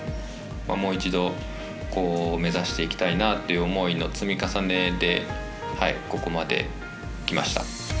もう一度目指していきたいなという思いの積み重ねでここまできました。